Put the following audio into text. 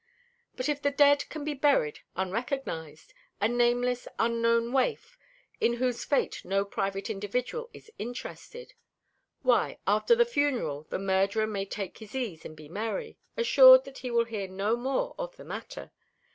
But if the dead can be buried unrecognised a nameless unknown waif, in whose fate no private individual is interested why, after the funeral the murderer may take his ease and be merry, assured that he will hear no more of the matter.